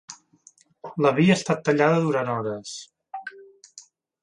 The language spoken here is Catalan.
La via ha estat tallada durant hores.